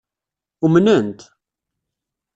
Umnent?